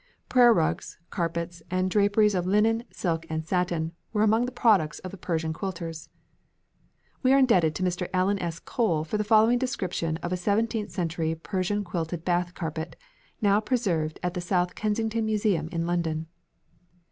Prayer rugs, carpets, and draperies of linen, silk, and satin were among the products of the Persian quilters. We are indebted to Mr. Alan S. Cole for the following description of a seventeenth century Persian quilted bath carpet, now preserved at the South Kensington Museum in London.